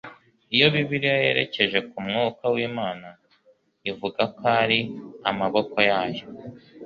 Iyo Bibiliya yerekeje ku mwuka w'Imana ivuga ko ari “amaboko” yayo,